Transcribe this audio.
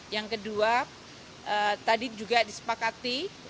yang kedua tadi juga disepakati